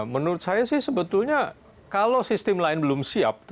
menurut saya sih sebetulnya kalau sistem lain belum siap